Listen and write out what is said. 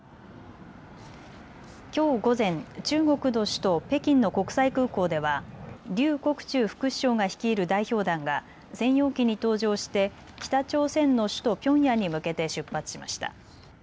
きょう午前、中国の首都・北京の国際空港では劉国中副首相が率いる代表団が専用機に搭乗して北朝鮮の首都ピョンヤンに向けて出発しました。